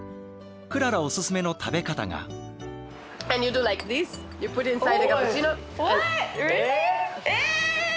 クララおすすめの食べ方が。え！